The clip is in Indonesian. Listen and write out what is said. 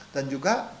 dan juga kandungan